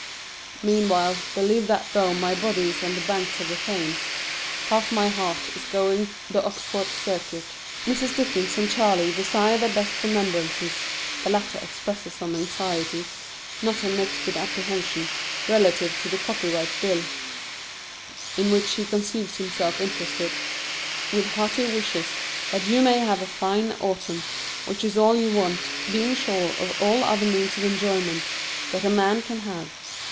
Meanwhile, believe that though my body is on the banks of the Thames, half my heart is going the Oxford circuit. Mrs. Dickens and Charley desire their best remembrances (the latter expresses some anxiety, not unmixed with apprehension, relative to the Copyright Bill, in which he conceives himself interested), with hearty wishes that you may have a fine autumn, which is all you want, being sure of all other means of enjoyment that a man can have.